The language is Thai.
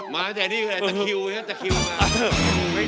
มาก่อนแต่นี้อยู่กันใต้คิว